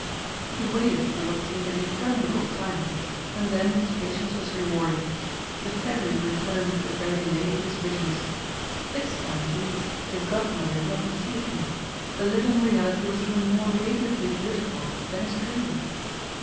He waited for what seemed an interminable time and then his patience was rewarded. The Fairy returned with the very lady of his visions. This time at least his Godmother had not deceived him the living reality was even more radiantly beautiful than his dream!